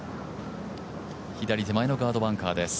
左手前のガードバンカーです。